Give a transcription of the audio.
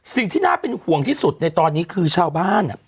สิ่งที่น่าเป็นห่วงที่สุดในตอนนี้คือชาวบ้าน